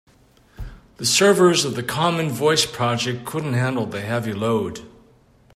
The servers of the common voice project couldn't handle the heavy load.